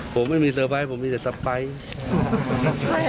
ผมไม่มีเซอร์ไฟผมมีแต่สับไพรส์